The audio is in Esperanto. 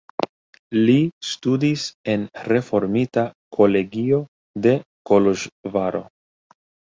Li studis en reformita kolegio de Koloĵvaro.